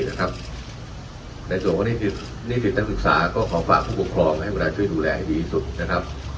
ในส่วนว่านี่ผิดทางศึกษาก็ขอฝากผู้ปกครองให้บรรที่ดูแลให้ดีที่สุดนะครับ